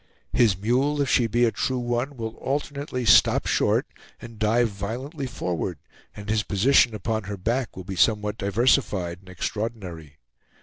His mule, if she be a true one, will alternately stop short and dive violently forward, and his position upon her back will be somewhat diversified and extraordinary.